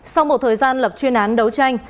sau một thời gian lập chuyên án đấu tranh